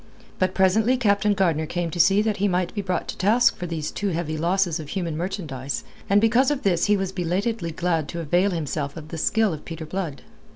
But presently Captain Gardner came to see that he might be brought to task for these too heavy losses of human merchandise and because of this he was belatedly glad to avail himself of the skill of Peter Blood.